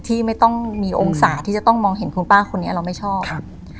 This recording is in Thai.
ที่ไม่ต้องมีโอกาสที่จะต้องมองเห็นคุณป้าคนนี้เราไม่ชอบครับ